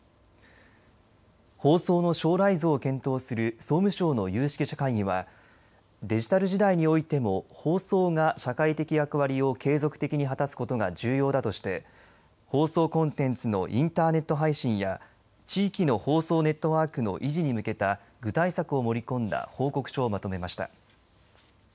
放送の将来像を検討する総務省の有識者会議はデジタル時代においても放送が社会的役割を継続的に果たすことが重要だとして放送コンテンツのインターネット配信や地域の放送ネットワークの維持に向けた具体策を盛り込んだ報告書をまとめました。